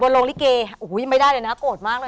บนโรงลิเกย์อุ้ยไม่ได้เลยนะโกรธมากเลยนะ